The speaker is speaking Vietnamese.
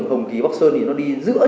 hồng ký bắc sơn thì nó đi giữa